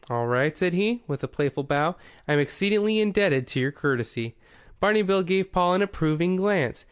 "All right," said he, with a playful bow. "I'm exceedingly indebted to your courtesy." Barney Bill gave Paul an approving glance.